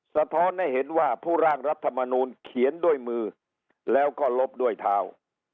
สะท้อนให้เห็นว่าผู้ร่างรัฐมนูลเขียนด้วยมือแล้วก็ลบด้วยเท้า